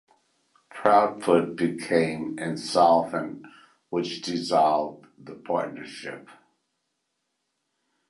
Proudfoot became insolvent which dissolved the partnership.